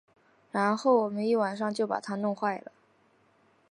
然后我们一个晚上就把它弄坏了